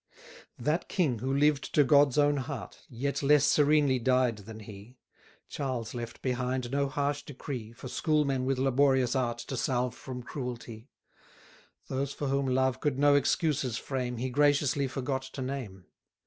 That king who lived to God's own heart, Yet less serenely died than he: Charles left behind no harsh decree For schoolmen with laborious art To salve from cruelty: Those for whom love could no excuses frame, He graciously forgot to name.